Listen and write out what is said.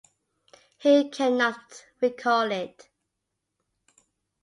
He cannot recall it.